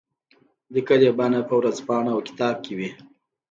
لیکلي بڼه په ورځپاڼه او کتاب کې وي.